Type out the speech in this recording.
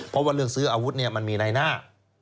เพราะว่าเรื่องซื้ออาวุธเนี่ยมันมีในหน้า